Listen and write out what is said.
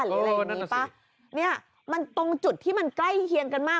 หรืออะไรอย่างงี้ป่ะเนี่ยมันตรงจุดที่มันใกล้เคียงกันมาก